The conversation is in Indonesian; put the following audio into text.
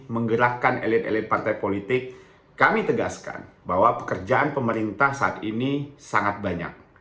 menggerakkan elit elit partai politik kami tegaskan bahwa pekerjaan pemerintah saat ini sangat banyak